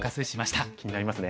おっ気になりますね。